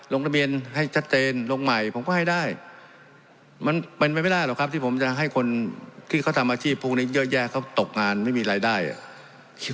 ลงทะเบียนให้ชัดเจนลงใหม่ผมก็ให้ได้มันเป็นไปไม่ได้หรอกครับที่ผมจะให้คนที่เขาทำอาชีพพวกนี้เยอะแยะเขาตกงานไม่มีรายได้อ่ะ